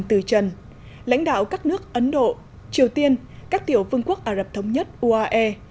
từ trần lãnh đạo các nước ấn độ triều tiên các tiểu vương quốc ả rập thống nhất uae